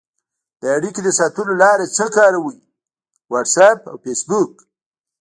د اړیکې د ساتلو لاره څه کاروئ؟ واټساپ او فیسبوک